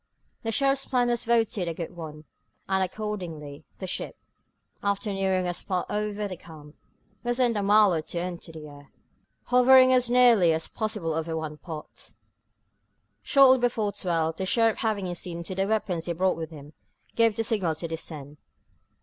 The sheriff's plan was voted a good one, and, accordingly, the ship, after nearing a spot about over the camp, was sent a mile or two into the air, hovering as nearly as possible over one spot. Shortly before twelve, the sheriff having seen to the weapons he brought with him, gave the signal to descend.